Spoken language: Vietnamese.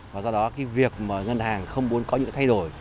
và do đó cái việc mà ngân hàng không muốn có những thay đổi